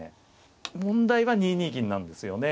問題は２二銀なんですよね。